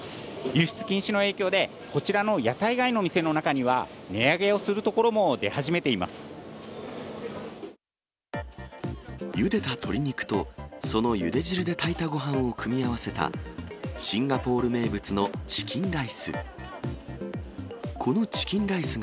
輸出禁止の影響で、こちらの屋台街の店の中には、値上げをするところも出始めていゆでた鶏肉と、そのゆで汁で炊いたごはんを組み合わせた、シンガポール名物のチキンライス。